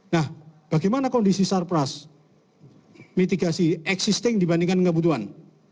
nah bagaimana kondisi sarpras mitigasi existing dibandingkan kebutuhan